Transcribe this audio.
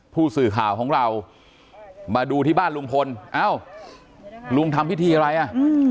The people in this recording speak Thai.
ผู้สื่อข่าวของเรามาดูที่บ้านลุงพลเอ้าลุงทำพิธีอะไรอ่ะ